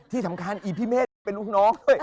ที่สำคัญก็สามารถไอ้พี่เมฆเป็นลูกน้อง